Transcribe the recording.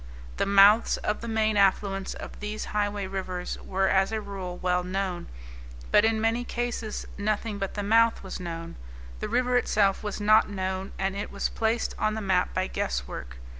The mouths of the main affluents of these highway rivers were as a rule well known. But in many cases nothing but the mouth was known. The river itself was not known, and it was placed on the map by guesswork.